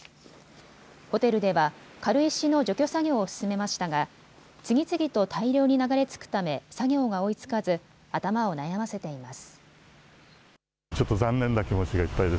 ホテルでは軽石の除去作業を進めましたが次々と大量に流れ着くため作業が追いつかず頭を悩ませています。